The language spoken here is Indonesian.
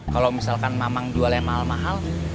kalau misalkan mamang jual yang mahal mahal